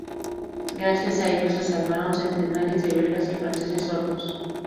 Gracias a ello se salvaron centenares de belgas y franceses sordos.